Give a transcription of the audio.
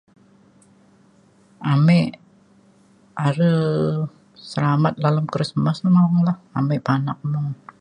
ame are selamat dalem Krismas mung lah ame panak mung